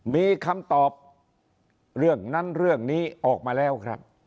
มีคำตอบเรื่องนั้นเรื่องนี้ออกมาแล้วครับ